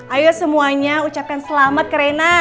ayo semuanya ucapkan selamat ke rena